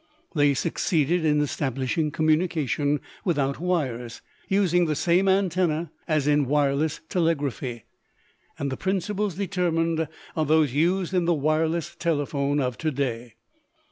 They succeeded in establishing communication without wires, using the same antenna as in wireless telegraphy, and the principles determined are those used in the wireless telephone of to day.